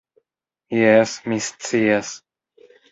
Jes, mi scias.